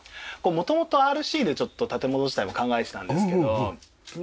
元々ＲＣでちょっと建物自体も考えてたんですけど。